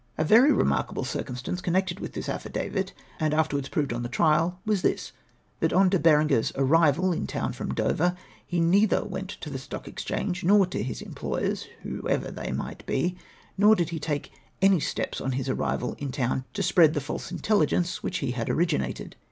A very remarkable circumstance connected with this affidavit, and afterwards proved on the trial, Avas this — that on De Berenger's arrival in town from Dover, he neither went to the Stock Exchange, nor to his em ployers, whoever they might be, nor did he take any steps on his arrival in town to spread the false intelli gence 2vhich he had originated.